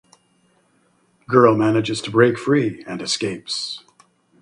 Girl manages to break free and escapes.